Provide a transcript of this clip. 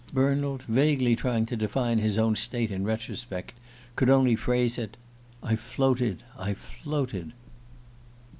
Bernald, vaguely trying to define his own state in retrospect, could only phrase it: "I floated ... floated.